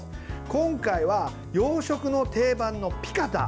今回は、洋食の定番のピカタ。